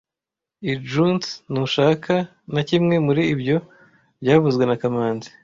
I jusntushaka na kimwe muri ibyo byavuzwe na kamanzi